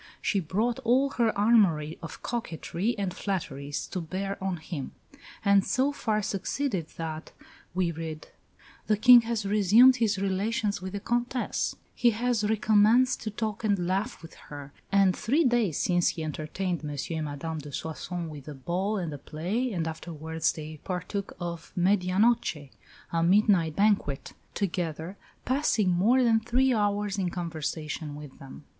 She brought all her armoury of coquetry and flatteries to bear on him, and so far succeeded that, we read, "the King has resumed his relations with the Comtesse; he has recommenced to talk and laugh with her; and three days since he entertained M. and Madame de Soissons with a ball and a play, and afterwards they partook of medianoche (a midnight banquet) together, passing more than three hours in conversation with them."